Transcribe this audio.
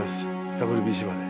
ＷＢＣまで。